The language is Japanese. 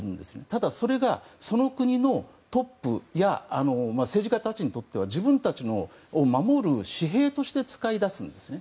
ただ、それがその国のトップや政治家たちにとっては自分たちを守る私兵として使い出すんですね。